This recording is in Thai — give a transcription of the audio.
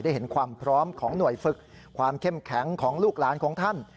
เห็นความพร้อมของหน่วยฝึกความเข้มแข็งของลูกหลานของท่าน